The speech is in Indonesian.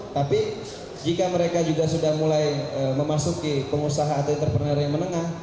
tapi jika mereka juga sudah mulai memasuki pengusaha atau entrepreneur yang menengah